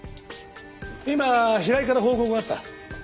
今平井から報告があった。